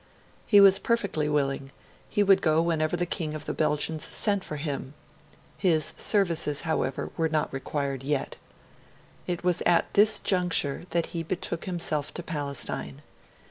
He was perfectly willing; he would go whenever the King of the Belgians sent for him; his services, however, were not required yet. It was at this juncture that he betook himself to Palestine.